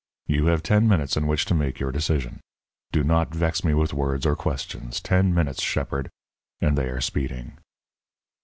You have ten minutes in which to make your decision. Do not vex me with words or questions. Ten minutes, shepherd; and they are speeding."